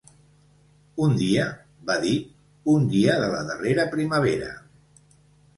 -Un dia- va dir -un dia de la darrera primavera